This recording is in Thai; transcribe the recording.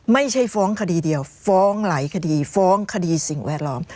ไม่ใช่ฟ้องคดีเดียวฟ้องหลายคดีฟ้องคดีสิ่งแวดล้อม